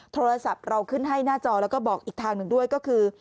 โทรศัพท์เราขึ้นให้หน้าจอแล้วก็บอกอีกทางหนึ่งด้วยก็คือ